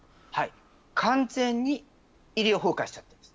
完全に医療崩壊しちゃってます。